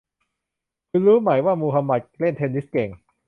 คุณรู้ไหมว่ามูฮัมหมัดเล่นเทนนิสเก่ง